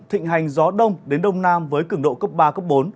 thịnh hành gió đông đến đông nam với cứng độ cấp ba cấp bốn